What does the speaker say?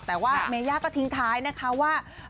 แต่ว่าเมย่าก็ทิ้งท้ายนะคะว่า